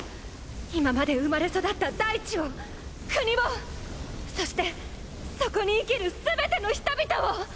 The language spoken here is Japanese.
今まで生まれ育った大地を国をそしてそこに生きるすべての人々を！